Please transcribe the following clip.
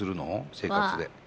生活で。